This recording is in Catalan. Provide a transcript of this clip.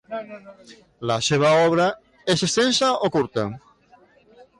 La seva obra és extensa o curta?